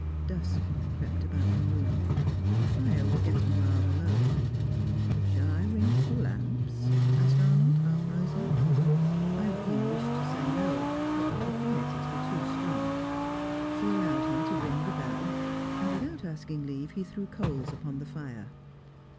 Dusk crept about the room. The fire was getting rather low. "Shall I ring for lamps?" asked Arnold, half rising. Irene wished to say no, but the proprieties were too strong. She allowed him to ring the bell, and, without asking leave, he threw coals upon the fire.